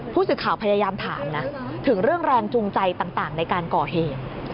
ผู้สื่อข่าวพยายามถามนะถึงเรื่องแรงจูงใจต่างในการก่อเหตุ